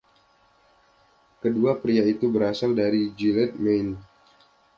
Kedua pria itu berasal dari Gilead, Maine.